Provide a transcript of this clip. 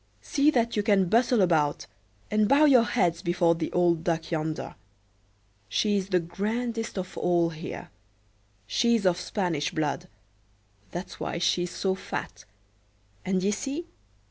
"See that you can bustle about, and bow your heads before the old Duck yonder. She's the grandest of all here; she's of Spanish blood—that's why she's so fat; and d'ye see?